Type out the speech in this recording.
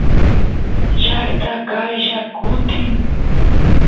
llaqta qaylla kutin